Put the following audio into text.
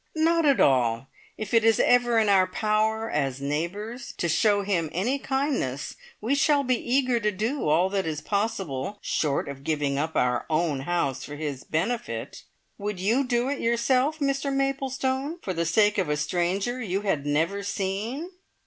"Not at all. If it is ever in our power, as neighbours, to show him any kindness, we shall be eager to do all that is possible short of giving up our own house for his benefit. Would you do it yourself, Mr Maplestone for the sake of a stranger you had never seen?"